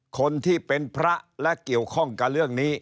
คนที่เป็นพระและเกี่ยวข้องกับเรื่องนี้